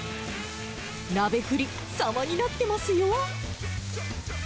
鍋振り、さまになってますよ。